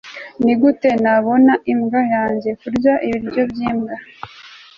nigute nabona imbwa yanjye kurya ibiryo byimbwa